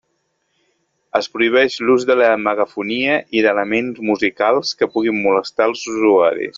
Es prohibeix l'ús de la megafonia i d'elements musicals que puguin molestar els usuaris.